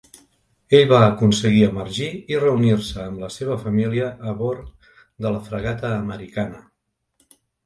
Ell va aconseguir emergir i reunir-se amb la seva família a bor de la fragata americana.